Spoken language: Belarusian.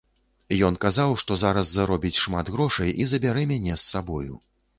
Ён казаў, што зараз заробіць шмат грошай і забярэ мяне з сабою.